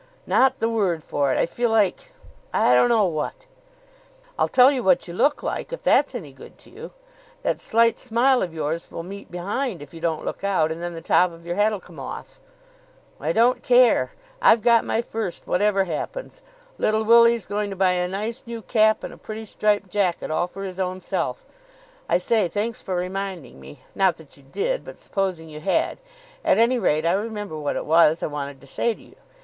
"Not the word for it. I feel like I don't know what." "I'll tell you what you look like, if that's any good to you. That slight smile of yours will meet behind, if you don't look out, and then the top of your head'll come off." "I don't care. I've got my first, whatever happens. Little Willie's going to buy a nice new cap and a pretty striped jacket all for his own self! I say, thanks for reminding me. Not that you did, but supposing you had. At any rate, I remember what it was I wanted to say to you.